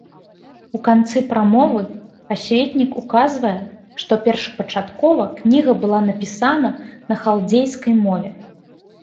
У канцы прамовы асветнік указвае, што першапачаткова кніга была напісана на халдзейскай мове.